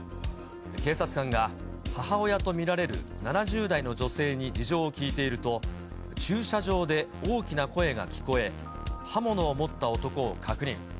警察官が母親と見られる７０代の女性に事情をきいていると、駐車場で大きな声が聞こえ、刃物を持った男を確認。